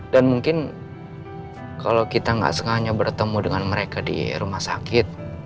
dan mungkin kalau kita gak sengaja bertemu dengan mereka di rumah sakit